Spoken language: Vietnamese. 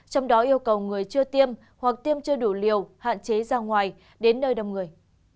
trong đó yêu cầu người chưa tiêm hoặc tiêm chưa đủ liều hạn chế ra ngoài đến nơi đông người